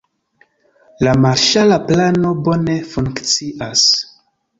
La marŝala plano bone funkcias.